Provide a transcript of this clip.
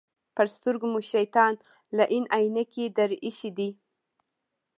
پر سترګو مو شیطان لعین عینکې در اېښي دي.